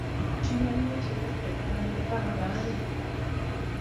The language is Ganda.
Mukimanye nti naffe twaliko abaana.